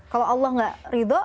kalau allah gak ridho